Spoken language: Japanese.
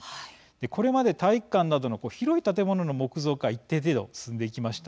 これまで体育館などの広い建物の木造化一定程度、進んでいきました。